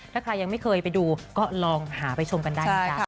ถ้าใครยังไม่เคยไปดูก็ลองหาไปชมกันได้นะจ๊ะ